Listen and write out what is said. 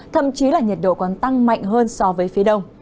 thậm chí là nhiệt độ còn tăng mạnh hơn so với phía đông